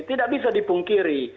tidak bisa dipungkiri